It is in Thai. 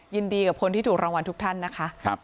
ยินดีกับคนที่ถูกรางวัลทุกท่านนะคะ